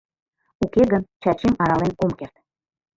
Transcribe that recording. Уке гын, Чачим арален ом керт...